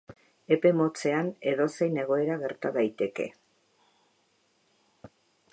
Epe motzean, edozein egoera gerta daiteke.